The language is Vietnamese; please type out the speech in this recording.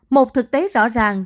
một thực tế rõ ràng